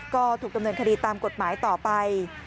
ก็ถูกดำเนินคดีตามกฎหมายต่อไป